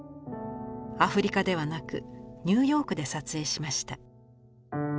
アフリカではなくニューヨークで撮影しました。